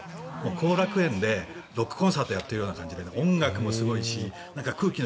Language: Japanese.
後楽園でロックコンサートやっているような感じで音楽もすごいし。